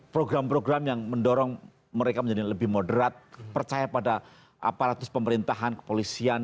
program program yang mendorong mereka menjadi lebih moderat percaya pada aparatus pemerintahan kepolisian